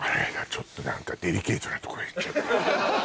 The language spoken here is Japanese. ちょっと何かデリケートなとこへいっちゃった？